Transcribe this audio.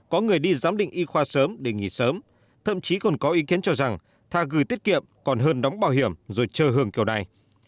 có người đi giám định y khoa sớm để nghỉ sớm thậm chí còn có ý kiến cho rằng tha gửi tiết kiệm còn hơn đóng bảo hiểm rồi chờ hưởng kiểu này